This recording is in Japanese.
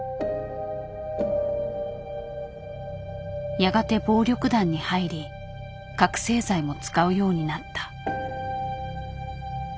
やがて暴力団に入り覚醒剤も使うようになった。